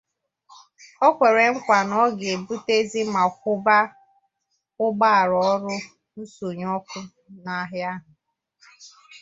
o kwere nkwà na a ga-ebutezị ma kwụba ụgbọala ọrụ nsọnyụọkụ n'ahịa ahụ